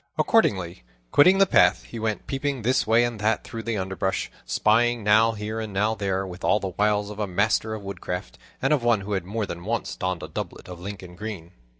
Accordingly, quitting the path, he went peeping this way and that through the underbrush, spying now here and now there, with all the wiles of a master of woodcraft, and of one who had more than once donned a doublet of Lincoln green.